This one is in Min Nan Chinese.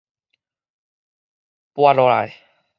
跋落來